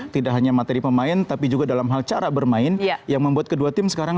tidak hanya materi pemain tapi juga dalam hal cara bermain yang membuat kedua tim sekarang